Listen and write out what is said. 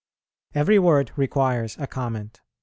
Every word requires a comment.